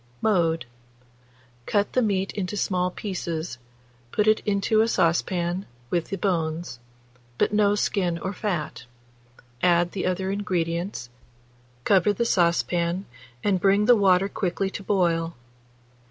Mode. Cut the meat into small pieces, put it into a saucepan with the bones, but no skin or fat; add the other ingredients; cover the saucepan, and bring the water quickly to boil.